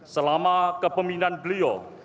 selama kepemimpinan beliau